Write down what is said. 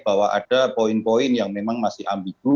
bahwa ada poin poin yang memang masih ambigu